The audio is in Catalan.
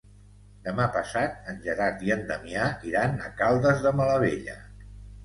Demà passat en Gerard i en Damià iran a Caldes de Malavella.